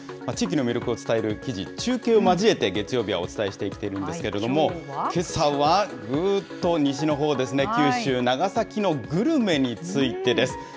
地域の魅力を伝える記事、中継を交えて月曜日はお伝えしてきているんですが、けさは、ぐーっと西のほうですね、九州、長崎のグルメについてです。